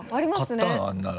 買ったの？あんなの。